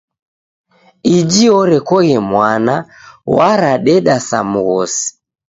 Iji orekoghe mwana, waradeda sa mghosi!